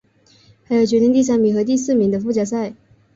还有决定第三名和第四名的附加赛。